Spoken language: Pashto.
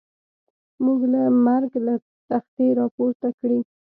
موږ له مرګ له تختې را پورته کړي.